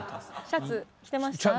シャツ着てました？